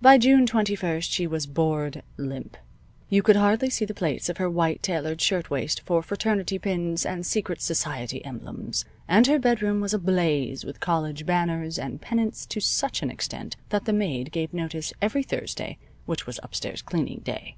By June twenty first she was bored limp. You could hardly see the plaits of her white tailored shirtwaist for fraternity pins and secret society emblems, and her bedroom was ablaze with college banners and pennants to such an extent that the maid gave notice every Thursday which was upstairs cleaning day.